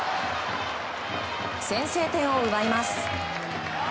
先制点を奪います。